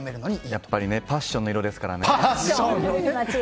やっぱりねパッションの色ですからね。